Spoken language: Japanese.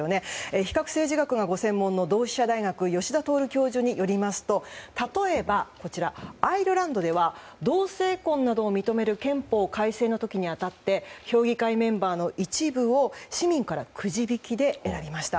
比較政治学がご専門の同志社大学吉田徹教授によりますと例えばアイルランドでは同性婚などを認める憲法改正の時に当たって評議会メンバーの一部を市民からくじ引きで選びました。